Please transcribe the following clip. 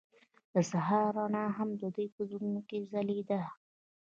د سهار رڼا هم د دوی په زړونو کې ځلېده.